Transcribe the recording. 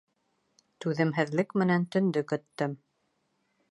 Түҙемһеҙлек менән төндө көттөм.